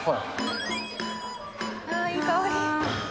ああ、いい香り。